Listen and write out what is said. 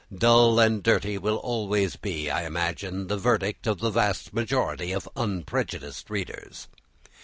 "Dull and dirty" will always be, I imagine, the verdict of the vast majority of unprejudiced readers.